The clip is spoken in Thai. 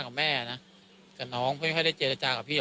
กับน้องและขนาดน้องเวลาได้จริงก็พูดกับพี่